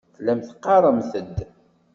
Tellamt teɣɣaremt-d.